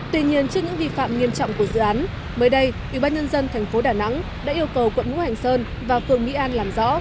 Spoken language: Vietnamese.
tuy nhiên trước những vi phạm nghiêm trọng của dự án mới đây ủy ban nhân dân tp đà nẵng đã yêu cầu quận ngu hành sơn và phường mỹ an làm rõ